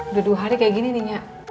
udah dua hari kayak gini nih nya